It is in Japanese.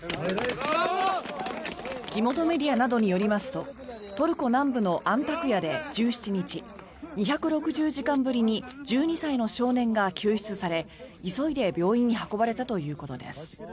地元メディアなどによりますとトルコ南部のアンタクヤで１７日２６０時間ぶりに１２歳の少年が救出され急いで病院に運ばれたということです。